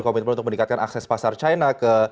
komitmen untuk meningkatkan akses pasar china ke